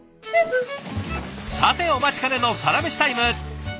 さてお待ちかねのサラメシタイム。